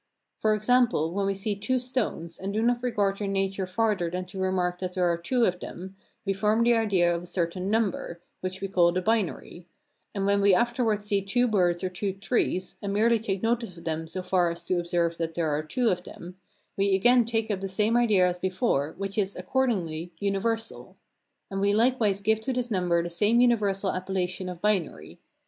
For example, when we see two stones, and do not regard their nature farther than to remark that there are two of them, we form the idea of a certain number, which we call the binary; and when we afterwards see two birds or two trees, and merely take notice of them so far as to observe that there are two of them, we again take up the same idea as before, which is, accordingly, universal; and we likewise give to this number the same universal appellation of binary.